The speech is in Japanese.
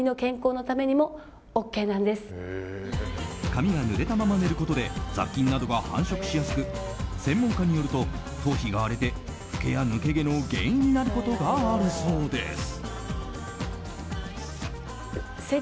髪が濡れたまま寝ることで雑菌などが繁殖しやすく専門家によると、頭皮が荒れてふけや抜け毛の原因になることがあるそうです。